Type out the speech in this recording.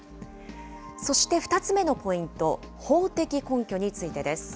そして２つ目のポイント、法的根拠についてです。